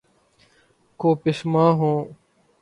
کو پشیماں ہوں